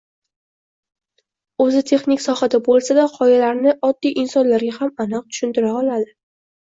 Oʻzi texnik sohada boʻlsa-da, gʻoyalarni oddiy insonlarga ham aniq tushuntira oladi.